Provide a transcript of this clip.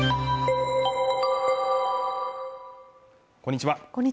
こんにちは